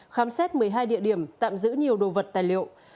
khám xét một mươi hai địa điểm tạm giữ nhiều đồ vật tài liệu